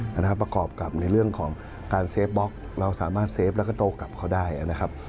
ประกอบกับในเรื่องของการเซฟบล็อกเราสามารถเฟฟแล้วก็โตกลับเขาได้นะครับ